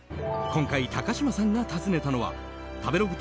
今回、高嶋さんが訪ねたのは食べログ